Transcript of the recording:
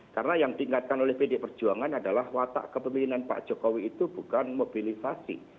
karena yang diingatkan oleh pdi perjuangan adalah watak kepemilinan pak jokowi itu bukan mobilisasi